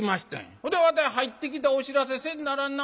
ほでわたい入ってきてお知らせせんならんな